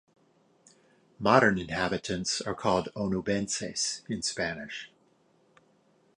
Modern inhabitants are called Onubenses in Spanish.